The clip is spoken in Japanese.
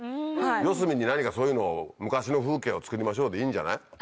四隅に何かそういうのを「昔の風景を作りましょう」でいいんじゃない？